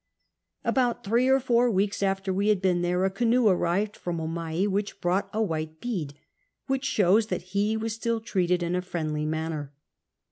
About three or four weeks after we had been here, a canoe arrived from Oinai which brought a white betul ; which shows that lie was still treated in a friendly manner.